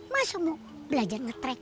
masa mau belajar ngetrek